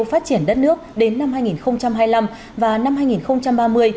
phát triển đất nước đến năm hai nghìn hai mươi năm và năm hai nghìn ba mươi